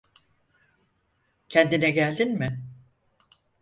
Kendine geldin mi?